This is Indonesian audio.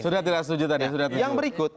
sudah tersetuju tadi sudah tersetuju